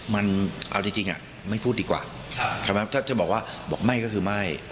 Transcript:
มันเอาจริงไม่พูดดีกว่าใช่ไหมถ้าจะบอกว่าบอกไม่ก็คือไม่